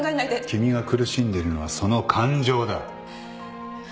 君が苦しんでるのはその感情だ。